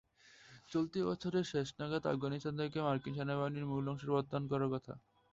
চলতি বছরের শেষ নাগাদ আফগানিস্তান থেকে মার্কিন বাহিনীর মূল অংশ প্রত্যাহার করার কথা।